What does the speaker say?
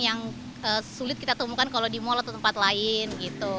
yang sulit kita temukan kalau di mall atau tempat lain gitu